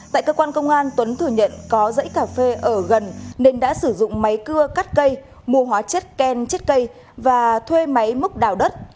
tại cơ quan công an tuấn thừa nhận có dãy cà phê ở gần nên đã sử dụng máy cưa cắt cây mua hóa chất ken chất cây và thuê máy múc đào đất